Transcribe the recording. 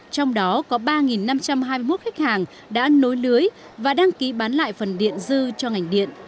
trong đó có ba năm trăm hai mươi một khách hàng đã nối lưới và đăng ký bán lại phần điện dư cho ngành điện